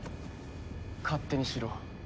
勝手にしろ。